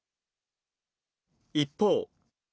一方。